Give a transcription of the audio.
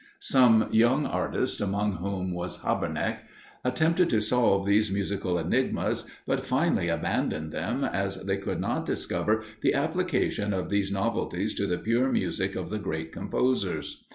Some young artists, among whom was Habeneck, attempted to solve these musical enigmas, but finally abandoned them, as they could not discover the application of these novelties to the pure music of the great composers.